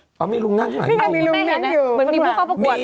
พี่ยังมีลุงมั่นึง